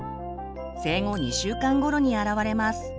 生後２週間ごろにあらわれます。